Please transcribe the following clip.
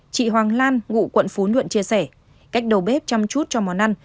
chị hoàng lan ngụ quận phú nhuận chia sẻ cách đầu bếp chăm chút cho món ăn